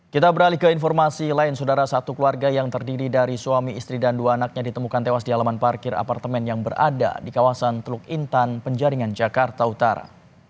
kita beralih ke informasi lain saudara satu keluarga yang terdiri dari suami istri dan dua anaknya ditemukan tewas di alaman parkir apartemen yang berada di kawasan teluk intan penjaringan jakarta utara